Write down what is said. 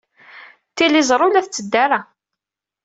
Tiliẓri ur la tetteddu ara.